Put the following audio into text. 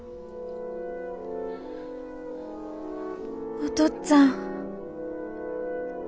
お父っつぁん。